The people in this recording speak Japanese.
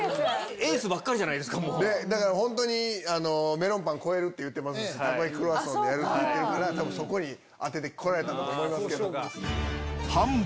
エースばっかりじゃないですだから、本当にメロンパン超えるって言ってますし、たこ焼きクロワッサンでやるって言ってるから、そこに当ててこら販売